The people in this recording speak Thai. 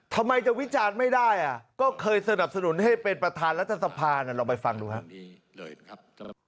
ทำไมจะวิจารณ์ไม่ได้ก็เคยสนับสนุนให้เป็นประธานรัฐสภาลองไปฟังดูครับ